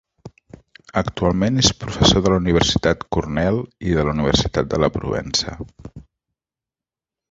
Actualment és professor de la Universitat Cornell i de la Universitat de la Provença.